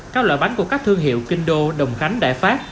các loại bánh của các thương hiệu kindle đồng khánh đại pháp